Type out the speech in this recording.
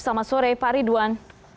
selamat sore pak ridwan